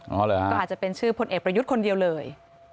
ก็อาจจะเป็นชื่อพลเอกประยุทธ์คนเดียวเลย